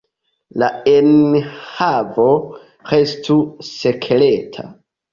La enhavo restu sekreta.